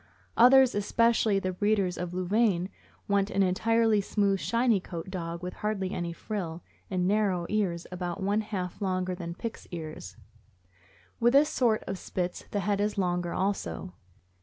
Others, especially the breeders of Louvain, want an entirely smooth, shiny coated dog with hardly any frill, and narrow ears, about one half longer than Pick's ears. With this sort of Spits the head is longer also.